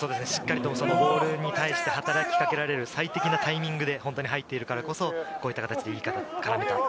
しっかりボールに対して働きかけられる最適なタイミングで入ってるからこそ、こういった形で絡めた。